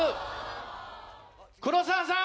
黒沢さん。